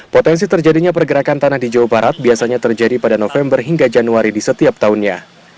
potensi terjadinya pergerakan tanah di jawa barat biasanya terjadi pada november hingga januari di setiap tahunnya